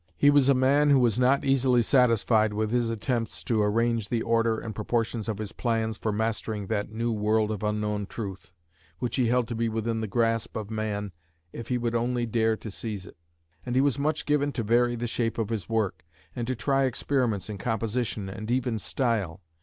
He was a man who was not easily satisfied with his attempts to arrange the order and proportions of his plans for mastering that new world of unknown truth, which he held to be within the grasp of man if he would only dare to seize it; and he was much given to vary the shape of his work, and to try experiments in composition and even style.